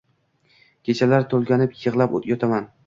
Kechalar tulgonib yiglab yotaman